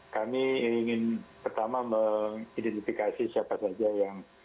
kami ingin pertama mengidentifikasi siapa saja yang